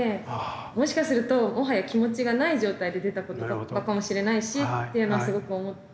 もしかするともはや気持ちがない状態で出た言葉だったのかもしれないしっていうのをすごく思ったので。